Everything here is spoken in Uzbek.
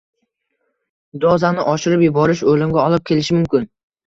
Dozani oshirib yuborish oʻlimga olib kelishi mumkin.